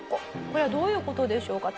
これはどういう事でしょうか？